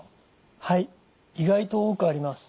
はい意外と多くあります。